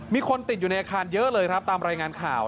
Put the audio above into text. มีคนติดอยู่ในอาคารเยอะเลยครับตามรายงานข่าว